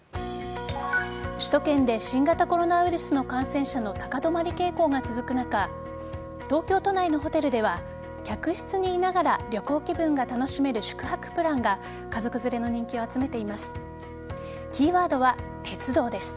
首都圏で新型コロナウイルスの感染者の高止まり傾向が続く中東京都内のホテルでは客室にいながら旅行気分が楽しめる宿泊プランが家族連れの人気を集めています。